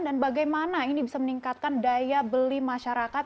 dan bagaimana ini bisa meningkatkan daya beli masyarakat